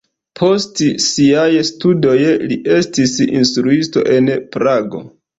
Post siaj studoj li estis instruisto en Prago.